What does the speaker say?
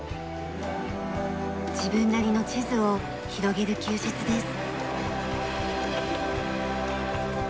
自分なりの地図を広げる休日です。